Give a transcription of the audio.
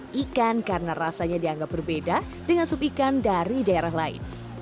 sukan karena rasanya dianggap berbeda dengan sup ikan dari daerah lain